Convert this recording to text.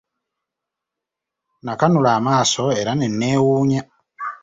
Nakanula amaaso era ne newuunya.